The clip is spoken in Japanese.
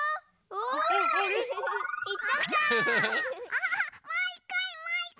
おい！